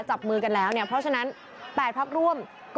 จับมือกันแล้วเนี่ยเพราะฉะนั้น๘พักร่วม